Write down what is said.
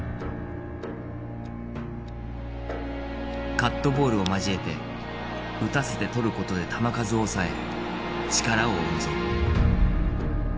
カットボールを交えて打たせてとることで球数を抑え力を温存。